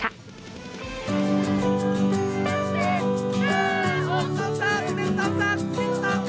ใช่